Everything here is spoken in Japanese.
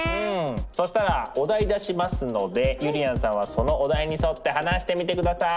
そしたらお題出しますのでゆりやんさんはそのお題に沿って話してみて下さい。